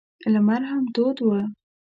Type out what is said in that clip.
لمر هم تود و.